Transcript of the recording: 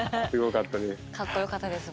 かっこよかったです。